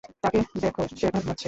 তাকে দেখ, সে এখনো ঘুমাচ্ছে।